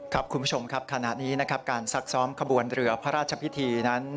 คุณผู้ชมครับขณะนี้นะครับการซักซ้อมขบวนเรือพระราชพิธีนั้น